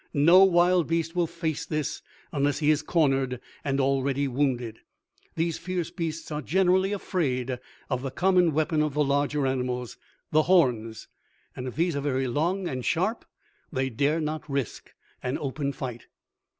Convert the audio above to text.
No wild beast will face this unless he is cornered and already wounded. These fierce beasts are generally afraid of the common weapon of the larger animals, the horns, and if these are very long and sharp, they dare not risk an open fight.